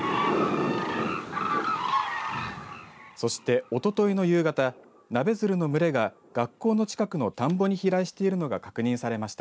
そして、おとといの夕方ナベヅルの群れが学校の近くの田んぼに飛来しているのが確認されました。